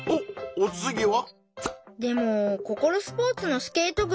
お次は？